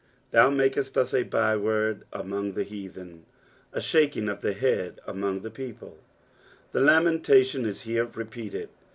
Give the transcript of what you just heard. Thou milked ut a bi/vord among tha ieaihai, a thati»ff of (A« heai amomg the people." The lamentation is here repeated.